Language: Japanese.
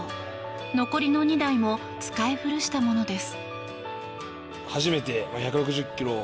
残りの２台も使い古したものです。